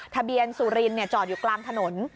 ทะเบียนสุรินจอดอยู่กลางถนน